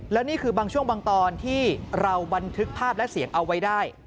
และนี่คือบางช่วงบางตอนที่เราบันทึกภาพและเสียงเอาไว้ได้